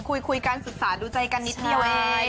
คุยกันศึกษาดูใจกันนิดเดียวเอง